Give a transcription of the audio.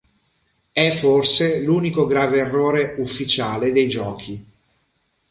È forse l'unico grave errore "ufficiale" dei Giochi.